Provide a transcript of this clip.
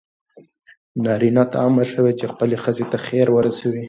نارینه ته امر شوی چې خپلې ښځې ته خیر ورسوي.